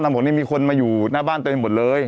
ตอนนี้มีคนมาอยู่หน้าบ้านตัวเองหมดเลย